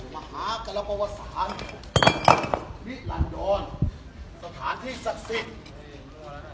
มันรอถึงมหากรปวสานนิรันดรสถานที่ศักดิ์สิทธิ์